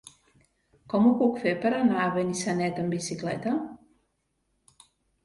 Com ho puc fer per anar a Benissanet amb bicicleta?